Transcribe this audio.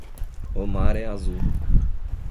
O mar é azul.